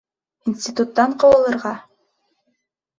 Институттан ҡыуылырға!